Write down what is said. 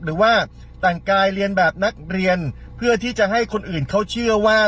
หรือว่าแต่งกายเรียนแบบนักเรียนเพื่อที่จะให้คนอื่นเขาเชื่อว่า